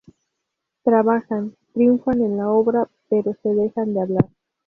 Trabajan, triunfan en la obra, pero se dejan de hablar.